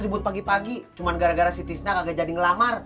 sebut pagi pagi cuma gara gara si tisna kaget jadi ngelamar